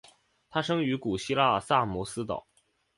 他生于古希腊萨摩斯岛。